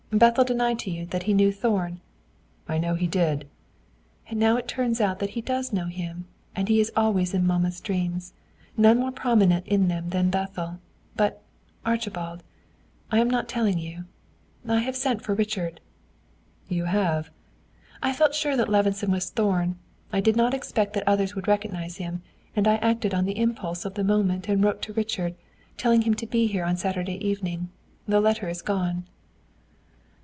Bethel denied to you that he knew Thorn." "I know he did." "And now it turns out that he does know him, and he is always in mamma's dreams none more prominent in them than Bethel. But, Archibald, I am not telling you I have sent for Richard." "You have?" "I felt sure that Levison was Thorn. I did not expect that others would recognize him, and I acted on the impulse of the moment and wrote to Richard, telling him to be here on Saturday evening. The letter is gone."